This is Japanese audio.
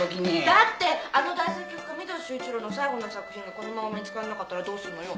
だってあの大作曲家御堂周一郎の最後の作品がこのまま見つからなかったらどうするのよ。